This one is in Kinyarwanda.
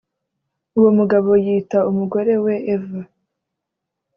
uwo mugabo yita umugore we eva